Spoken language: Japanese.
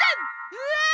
うわ！